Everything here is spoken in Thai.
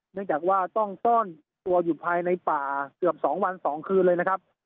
เนื่องจากว่าต้องซ่อนตัวอยู่ภายในป่าเกือบ๒วัน๒คืนเลยนะครับ